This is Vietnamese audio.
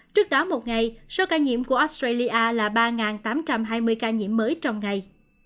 trước đó một ngày số ca nhiễm của australia là ba tám trăm hai mươi ca nhiễm mới trong ngày